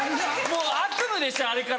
もう悪夢でしたあれから。